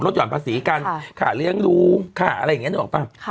ลดหย่อนภาษีกันค่ะค่ะเลี้ยงรุงค่ะอะไรอย่างเงี้ยนั้นออกปะค่ะ